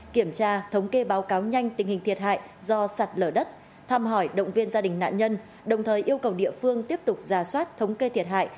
kiểm tra thống kê báo cáo nhanh tình hình thiệt hại do sạt lở đất thăm hỏi động viên gia đình nạn nhân đồng thời yêu cầu địa phương tiếp tục giả soát thống kê thiệt hại